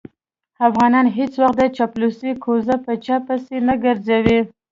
افغانان هېڅ وخت د چاپلوسۍ کوزه په چا پسې نه ګرځوي.